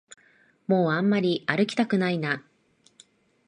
もうあんまり歩きたくないな